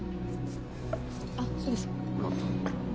あっそうです。